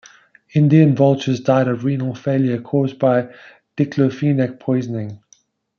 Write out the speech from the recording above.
Indian vultures died of renal failure caused by diclofenac poisoning.